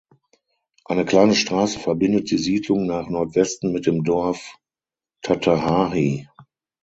Eine kleine Straße verbindet die Siedlung nach Nordwesten mit dem Dorf Tatahahi.